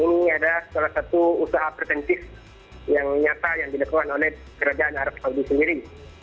ini adalah salah satu usaha preventif yang nyata yang dilakukan oleh kerajaan arab saudi sendiri